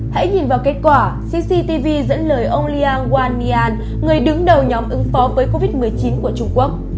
hãy nhìn vào kết quả cctv dẫn lời ông liang wal mian người đứng đầu nhóm ứng phó với covid một mươi chín của trung quốc